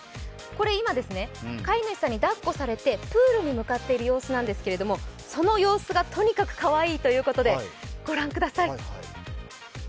これ今、飼い主さんに抱っこされてプールに向かっている様子なんですがその様子がとにかくかわいいということで、御覧ください。